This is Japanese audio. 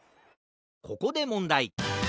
ここでもんだい！